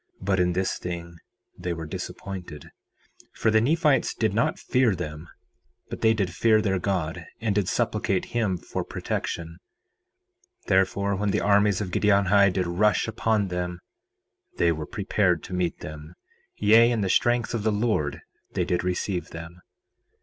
4:10 But in this thing they were disappointed, for the Nephites did not fear them; but they did fear their God and did supplicate him for protection; therefore, when the armies of Giddianhi did rush upon them they were prepared to meet them; yea, in the strength of the Lord they did receive them.